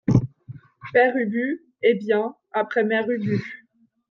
Père Ubu Eh bien, après, Mère Ubu ?